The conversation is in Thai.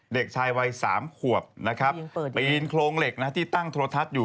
เด็กชายวัย๓ขวบนะครับปีนโครงเหล็กที่ตั้งโทรทัศน์อยู่